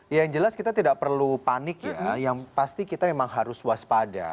ya yang jelas kita tidak perlu panik ya yang pasti kita memang harus waspada